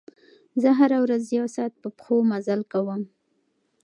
زه هره ورځ یو ساعت په پښو مزل کوم.